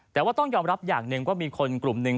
แต่ว่าต้องยอมรับอย่างหนึ่งว่ามีคนกลุ่มหนึ่ง